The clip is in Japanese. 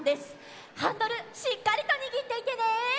ハンドルしっかりとにぎっていてね！